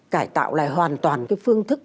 cải tạo lại hoàn toàn cái phương thức